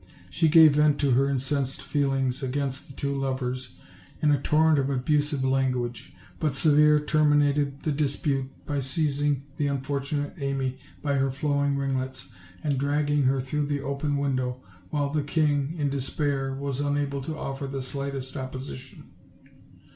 She gave vent to her incensed feelings against the two lovers in a torrent of abusive language; but Severe terminated the dispute by seizing the unfortunate Amy by her flowing ringlets and drag ging her through the open window, while the king, in despair, was unable to offer the slightest opposition.